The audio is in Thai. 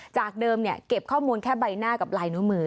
จากเดิมเก็บข้อมูลแค่ใบหน้ากับลายนิ้วมือ